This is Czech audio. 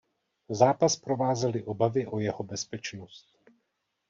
Zápas provázely obavy o jeho bezpečnost.